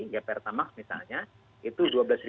ya pertamax misalnya itu dua belas lima ratus